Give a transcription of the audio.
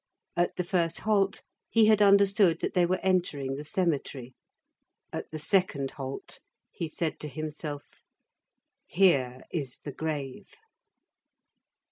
At the first halt, he had understood that they were entering the cemetery; at the second halt, he said to himself:— "Here is the grave."